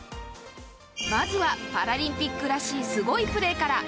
まずはパラリンピックらしいすごいプレーから。